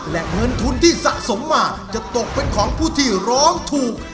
และเงินทุนที่สะสมมาจะตกเป็นของผู้ที่ร้องถูก